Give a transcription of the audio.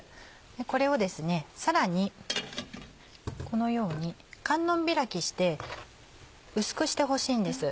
これをさらにこのように観音開きして薄くしてほしいんです。